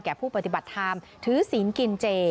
ผู้ปฏิบัติธรรมถือศีลกินเจ